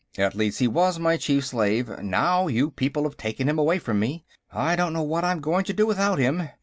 "At least, he was my chief slave; now you people have taken him away from me. I don't know what I'm going to do without him.